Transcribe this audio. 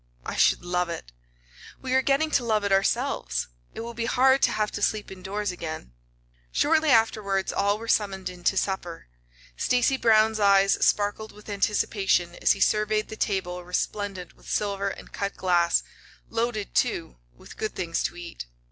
"I should love it." "We are getting to love it ourselves. It will be hard to have to sleep indoors again." Shortly afterwards all were summoned in to supper. Stacy Brown's eyes sparkled with anticipation as he surveyed the table resplendent with silver and cut glass loaded, too, with good things to eat.